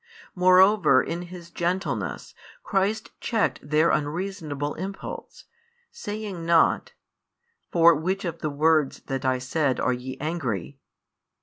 Moreover in His gentleness Christ checked their unreasonable impulse, saying not: "For which of the words that I said, are ye angry?"